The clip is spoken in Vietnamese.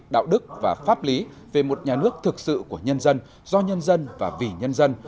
đạo đức và pháp lý về một nhà nước thực sự của nhân dân do nhân dân và vì nhân dân